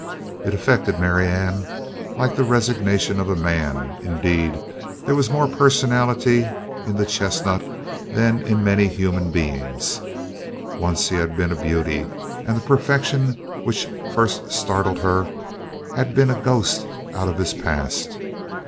It affected Marianne like the resignation of a man; indeed there was more personality in the chestnut than in many human beings. Once he had been a beauty, and the perfection which first startled her had been a ghost out of his past.